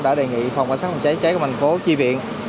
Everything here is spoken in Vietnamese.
đã đề nghị phòng cảnh sát phòng cháy cháy của thành phố chi viện